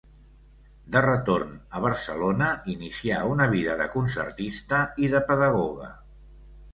De retorn a Barcelona inicià una vida de concertista i de pedagoga.